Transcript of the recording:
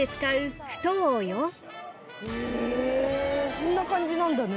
こんな感じなんだね。